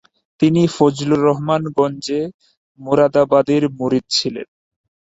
তিনি ফজলুর রহমান গঞ্জে মুরাদাবাদীর মুরিদ ছিলেন।